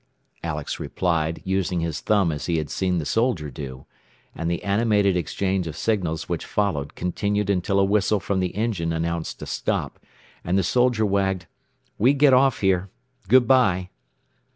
Alex replied, using his thumb as he had seen the soldier do; and the animated exchange of signals which followed continued until a whistle from the engine announced a stop, and the soldier wagged, "We get off here. Good by."